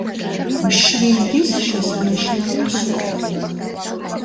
მშვილდის შესანიშნავი მსროლელი.